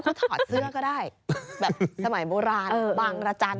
เขาถอดเสื้อก็ได้แบบสมัยโบราณบางรจันทร์